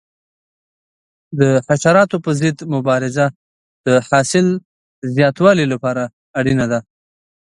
د حشراتو پر ضد مبارزه د حاصل زیاتوالي لپاره اړینه ده.